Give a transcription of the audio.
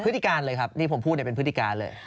พฤติการเลยครับที่ผมพูดเป็นพฤติการเลย